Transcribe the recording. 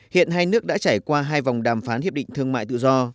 hiện hai nước đã trải qua hai vòng đàm phán hiệp định thương mại tự do